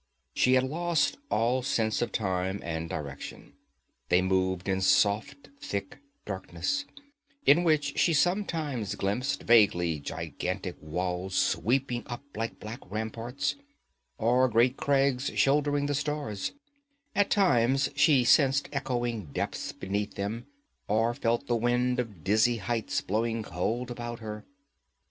She had lost all sense of time or direction. They moved in soft thick darkness, in which she sometimes glimpsed vaguely gigantic walls sweeping up like black ramparts, or great crags shouldering the stars; at times she sensed echoing depths beneath them, or felt the wind of dizzy heights blowing cold about her.